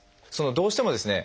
どうしてもですね